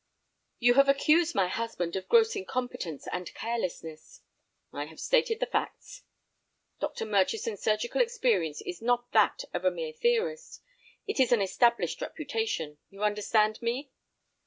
"You have accused my husband of gross incompetence and carelessness." "I have stated facts." "Dr. Murchison's surgical experience is not that of a mere theorist. It has an established reputation. You understand me?"